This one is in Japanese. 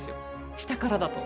下からだと。